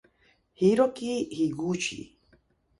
Hiroki Higuchi